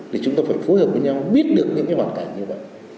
để chúng ta phải phối hợp với nhau biết được những cái hoàn cảnh như vậy